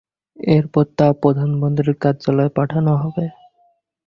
এরপর তা প্রধানমন্ত্রীর কার্যালয়ে পাঠানো হবে।